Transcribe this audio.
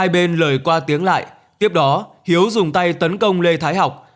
hai bên lời qua tiếng lại tiếp đó hiếu dùng tay tấn công lê thái học